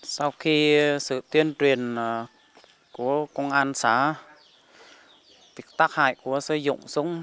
sau khi sự tuyên truyền của công an xã tác hại của sử dụng súng